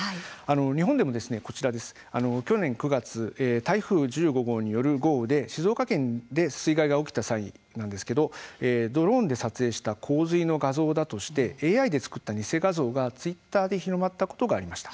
日本でもこちら去年９月台風１５号による豪雨で静岡県で水害が起きた際なんですけれども、ドローンで撮影した洪水の画像だとしてＡＩで作った偽画像がツイッターで広まったことがありました。